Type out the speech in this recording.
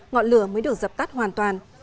ngọn lửa mới được dập tắt hoàn toàn